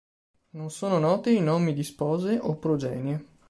Non sono noti i nomi di spose o progenie.